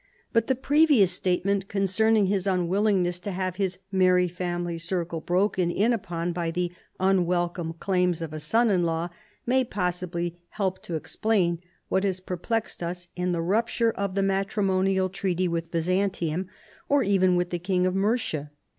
But the previous statement concerning his unwillingness to have his merry family circle broken in upon by the unwelcome claims of a son in law, ma}' possibly help to explain what has perplexed us in the rupture of the matrimonial treaty with Byzantium or even with the King of Mercia.